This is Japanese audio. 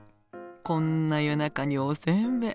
こんな夜中におせんべい。